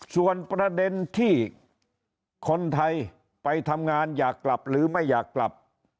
ส่วนประเด็นที่คนไทยไปทำงานอยากกลับหรือไม่อยากกลับ